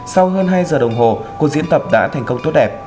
sau hơn hai giờ đồng hồ cuộc diễn tập đã thành công tốt đẹp